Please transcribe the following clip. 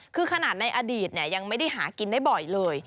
คือขนาดในอดีตยังไม่ได้หากินได้บ่อยเลย